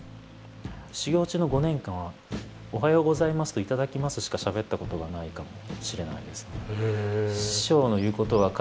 修行中の５年間は「おはようございます」と「いただきます」しかしゃべったことがないかもしれないですね。